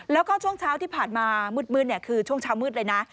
แล้วก็ช่วงเช้าที่ผ่านมามืดคือช่วงเช้ามืดเลยนะ